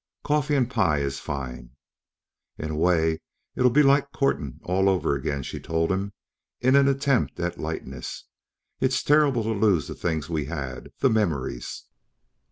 "Coffee and pie is fine." "In a way, it'll be like courting all over again," she told him, in an attempt at lightness. "It's terrible to lose the things we had, the memories.